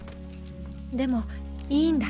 でもいいんだ。